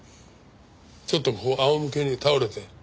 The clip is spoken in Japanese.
ちょっとここ仰向けに倒れて。